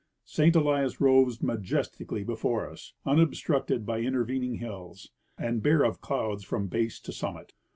St. Elias rose majestically before us, unobstructed by intervening hills, and bare of clouds from base to summit.